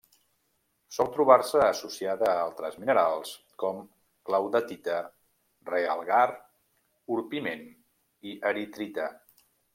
Sol trobar-se associada a altres minerals com: claudetita, realgar, orpiment i eritrita.